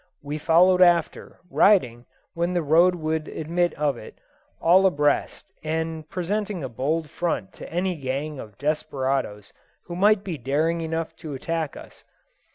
We followed after, riding, when the road would admit of it, all abreast, and presenting a bold front to any gang of desperadoes who might be daring enough to attack us.